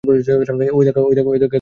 ঐ ধাক্কা আমি মাথায় করে নিয়েছি।